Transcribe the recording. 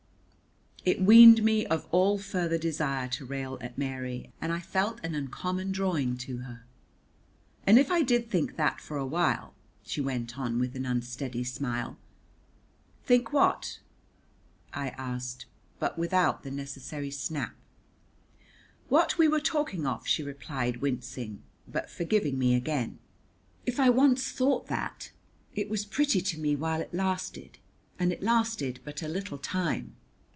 It weaned me of all further desire to rail at Mary, and I felt an uncommon drawing to her. "And if I did think that for a little while ," she went on, with an unsteady smile. "Think what?" I asked, but without the necessary snap. "What we were talking of," she replied wincing, but forgiving me again. "If I once thought that, it was pretty to me while it lasted and it lasted but a little time.